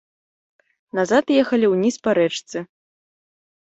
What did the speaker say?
Назад ехалі ўніз па рэчцы.